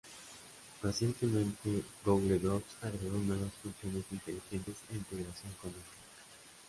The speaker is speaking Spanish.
Recientemente Google Docs agregó nuevas funciones inteligentes e integración con Slack.